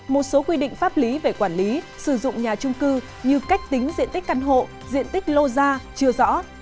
một số quy định pháp lý về quản lý sử dụng nhà trung cư như cách tính diện tích căn hộ diện tích lô da chưa rõ